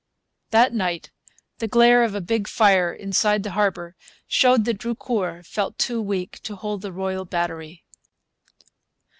That night the glare of a big fire inside the harbour showed that Drucour felt too weak to hold the Royal Battery.